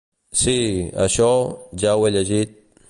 Sí… això… jo ho he llegit…